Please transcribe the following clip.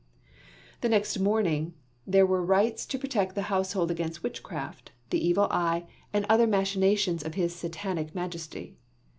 The next morning, there were rites to protect the household against witchcraft, the evil eye, and other machinations of his satanic majesty.